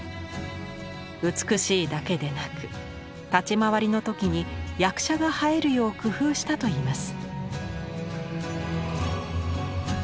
美しいだけでなく立ち回りの時に役者が映えるよう工夫したといいます。